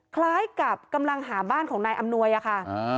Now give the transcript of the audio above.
คล้ายกับกำลังหาบ้านของนายอำนวยอะค่ะ